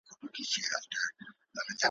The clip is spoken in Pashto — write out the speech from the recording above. چی دا نن دي یم ژغورلی له انسانه `